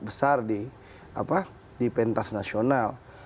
besar di pentas nasional